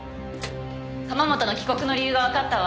釜本の帰国の理由がわかったわ。